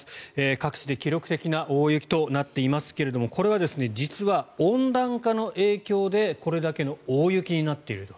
各地で記録的な大雪となっていますがこれは実は温暖化の影響でこれだけの大雪になっていると。